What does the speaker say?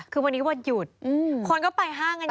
คือวันนี้วันหยุดคนก็ไปห้างกันอยู่